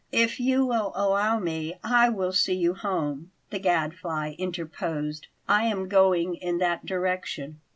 "If you will allow me, I will see you home," the Gadfly interposed; "I am going in that direction."